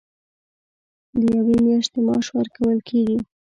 د یوې میاشتې معاش ورکول کېږي.